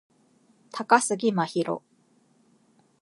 高杉真宙